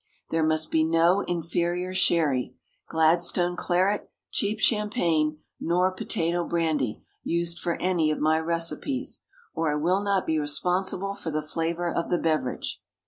There must be no inferior sherry, Gladstone claret, cheap champagne, nor potato brandy, used for any of my recipes, or I will not be responsible for the flavour of the beverage.